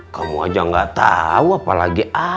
kamu aja gak tau lagi harus bagaimana makanya saya nanya